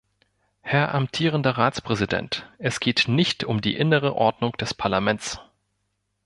Herr amtierender Ratspräsident, es geht nicht um die innere Ordnung des Parlaments.